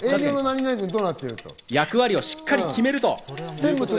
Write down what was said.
役割をしっかり決めると。